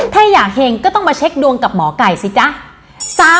ถ้าอยากเห็งก็ต้องมาเช็คดวงกับหมอไก่สิจ๊ะ